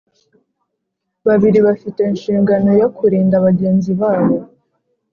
babiri bafite inshingano yo kurinda bagenzi babo